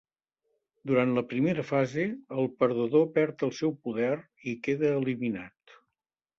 Durant la primera fase, el perdedor perd el seu poder i queda eliminat.